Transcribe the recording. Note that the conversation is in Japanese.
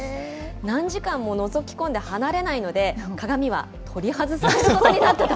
何時間ものぞき込んで離れないので、鏡は取り外されることになったと。